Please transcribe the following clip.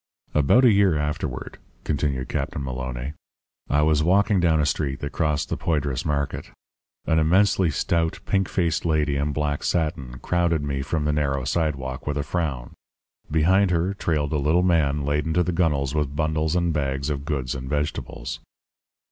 "About a year afterward," continued Captain Maloné, "I was walking down a street that crossed the Poydras Market. An immensely stout, pink faced lacy in black satin crowded me from the narrow sidewalk with a frown. Behind her trailed a little man laden to the gunwales with bundles and bags of goods and vegetables.